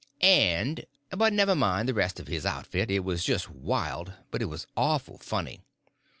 And—but never mind the rest of his outfit; it was just wild, but it was awful funny.